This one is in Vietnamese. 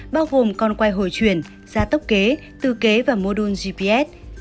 bao gồm con quay hồi chuyển gia tốc kế tư kế và mô đun gps